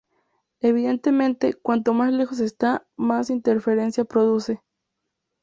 Evidentemente, cuanto más lejos está, más interferencia produce.